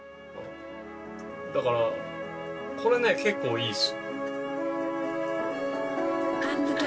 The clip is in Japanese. だからこれね結構いいです。